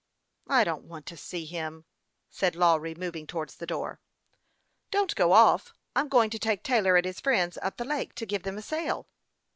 " I don't want to see him," said Lawry, moving towards the door. " Don't go off; I'm going to take Taylor and his friends up the lake, to give them a sail."